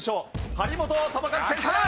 張本智和選手です！